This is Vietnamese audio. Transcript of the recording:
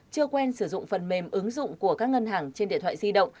chưa quen sử dụng phần mềm ứng dụng của các ngân hàng trên điện thoại di động